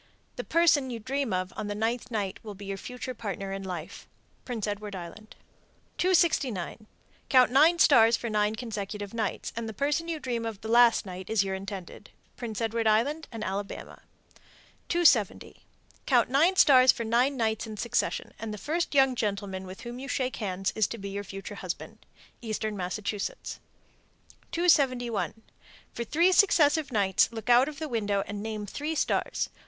The person you dream of on the ninth night will be your future partner in life. Prince Edward Island. 269. Count nine stars for nine consecutive nights, and the person you dream of the last night is your intended. Prince Edward Island and Alabama. 270. Count nine stars for nine nights in succession, and the first young gentleman with whom you shake hands is to be your future husband. Eastern Massachusetts. 271. For three successive nights look out of the window and name three stars.